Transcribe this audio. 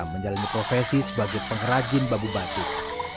menjalani profesi sebagai pengrajin bambu batik